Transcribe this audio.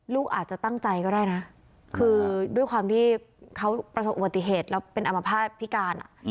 ลูกอาจจะตั้งใจก็ได้นะคือด้วยความที่เขาประสบอุบัติเหตุแล้วเป็นอมภาษณพิการ